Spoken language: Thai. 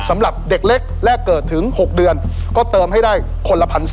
สำหรับเด็กเล็กแรกเกิดถึง๖เดือนก็เติมให้ได้คนละ๑๔๐